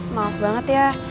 maaf banget ya